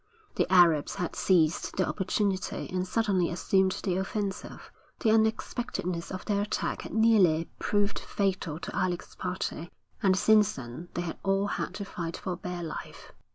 The Arabs had seized the opportunity and suddenly assumed the offensive. The unexpectedness of their attack had nearly proved fatal to Alec's party, and since then they had all had to fight for bare life.